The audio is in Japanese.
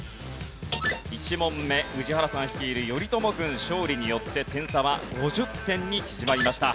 １問目宇治原さん率いる頼朝軍勝利によって点差は５０点に縮まりました。